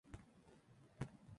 Laos clasificó como "lucky loser".